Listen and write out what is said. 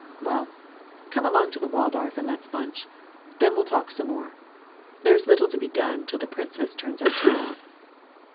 Well, come along to the Waldorf and let's lunch then we'll talk some more. There's little to be done till the Princess turns up tomorrow."